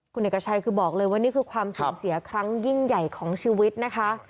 คุณเอกชัยคือบอกเลยว่านี่คือความสูญเสียครั้งยิ่งใหญ่ของชีวิตนะคะ